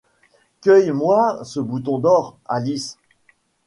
Cueille-moi ce bouton d’or, Alice.